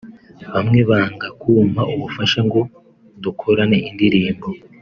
bamwe banga kumpa ubufasha ngo dukorane indirimbo